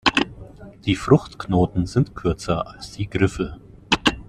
Die Fruchtknoten sind kürzer als die Griffel.